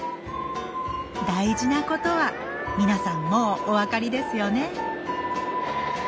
大事なことは皆さんもうお分かりですよね？